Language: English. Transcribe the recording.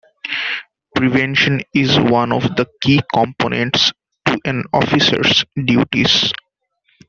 Prevention is one of the key components to an officer's duties.